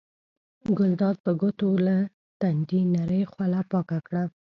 ګلداد په ګوتو له تندي نرۍ خوله پاکه کړه.